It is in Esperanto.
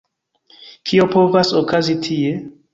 Kio povas okazi tie?